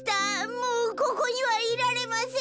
もうここにはいられません。